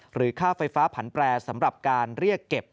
ค่าไฟฟ้าผันแปรสำหรับการเรียกเก็บ